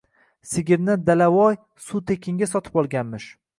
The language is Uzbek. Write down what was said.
Sigirni Dalavoy suv tekinga sotib olganmish...